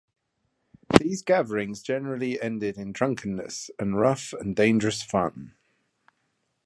These gatherings generally ended in drunkenness and rough and dangerous fun.